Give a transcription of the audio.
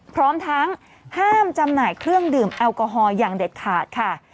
พร้อมทั้งห้ามจำหน่ายเครื่องดื่มแอลกอฮอล์อย่างเด็ดขาดค่ะ